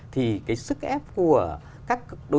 thì cái sức ép của các đối tác của chúng ta ở nước ngoài